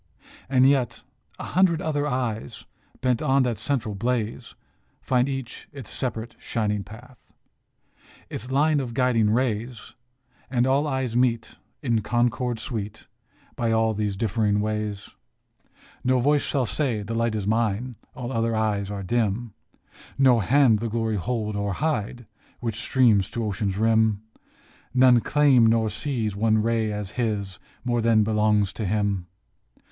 And yet, a hundred other eyes, Bent on that central blaze, Find each its separate, shining path, Its line of guiding rays ; And all eyes meet in concord sweet By all these differing ways. 8 114 THE LIGHTHOUSE No voice shall say :" The Light is mine, All other eyes are dim !" No hand the glory hold or hide Which streams to ocean's rim, None claim or seize one ray as his More than belongs to him.